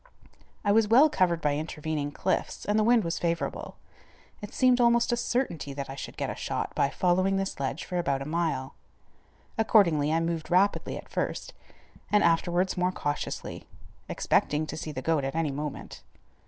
I was well covered by intervening cliffs, and the wind was favorable. It seemed almost a certainty that I should get a shot by following this ledge for about a mile. Accordingly I moved rapidly at first, and afterwards more cautiously, expecting to see the goat at any moment.